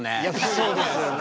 そうですよね。